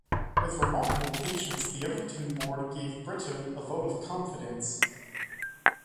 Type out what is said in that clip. With remarkable patience the Everton board gave Britton a vote of confidence.